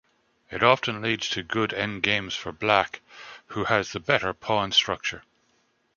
It often leads to good endgames for Black, who has the better pawn structure.